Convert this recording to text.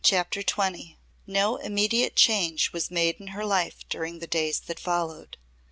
CHAPTER XX No immediate change was made in her life during the days that followed.